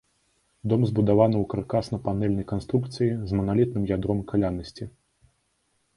Дом збудаваны ў каркасна-панэльнай канструкцыі з маналітным ядром калянасці.